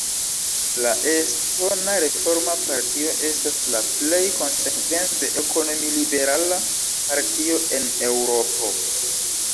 La Estona Reforma Partio estas la plej konsekvence ekonomi-liberala partio en Eŭropo.